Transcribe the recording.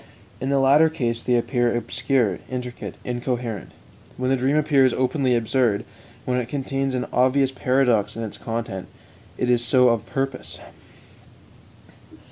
In the latter case they appear obscure, intricate, incoherent. When the dream appears openly absurd, when it contains an obvious paradox in its content, it is so of purpose.